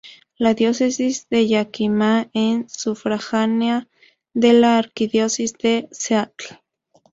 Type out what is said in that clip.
La Diócesis de Yakima es sufragánea de la Arquidiócesis de Seattle.